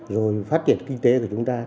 rồi phát triển kinh tế của chúng ta